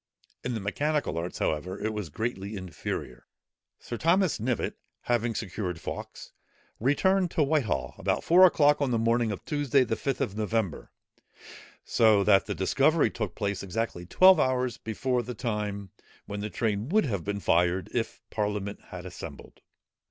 In the mechanical arts, however, it was greatly inferior. Sir Thomas Knivett, having secured Fawkes, returned to Whitehall, about four o'clock on the morning of Tuesday, the Fifth of November, so that the discovery took place exactly twelve hours before the time, when the train would have been fired, if the parliament had assembled.